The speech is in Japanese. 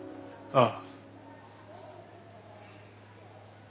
ああ。